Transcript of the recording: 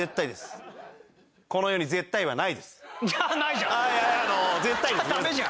じゃあダメじゃん！